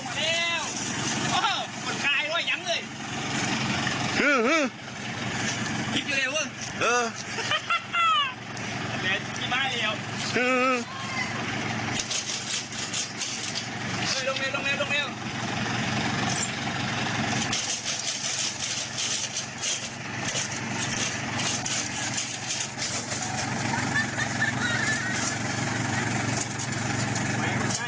เดี๋ยวชิคกี้พายเดี๋ยว